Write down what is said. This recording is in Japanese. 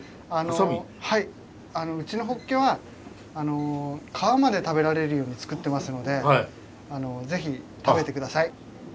うちのホッケは皮まで食べられるように作ってますのでぜひ食べて下さい。